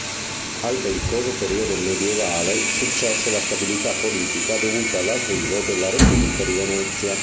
Al bellicoso periodo medievale successe la stabilità politica dovuta all'arrivo della Repubblica di Venezia.